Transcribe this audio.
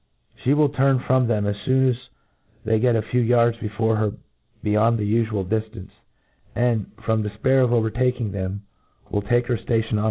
She will turn from them as foon as they get a few yards before her beyond the ufual diftance, and, from defpair of overtaking themt will take her ftation on a tree.